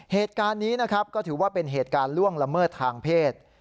เหตุการณ์นี้นะครับก็ถือว่าเป็นเหตุการณ์ล่วงละเมิดทางเพศ